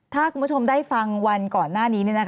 ถ้าคุณผู้ชมได้ฟังวันก่อนหน้านี้